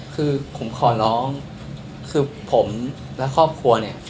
คือผมขอร้องคือผมและครอบครัวเนี่ย